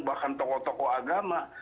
bahkan tokoh tokoh agama